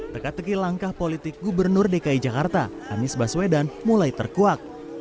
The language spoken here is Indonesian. teka teki langkah politik gubernur dki jakarta anies baswedan mulai terkuak